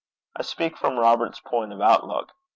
I speak from Robert's point of outlook.